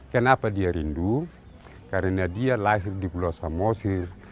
kenapa dia rindu karena dia lahir di pulau samosir